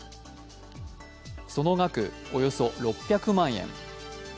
その額、およそ６００万円。